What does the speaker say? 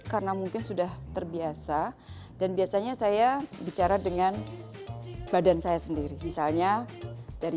karena mungkin sudah terbiasa dan biasanya saya bicara dengan badan saya sendiri misalnya dari